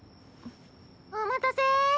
お待たせ。